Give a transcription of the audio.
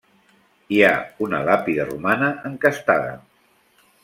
Hi ha una làpida romana encastada.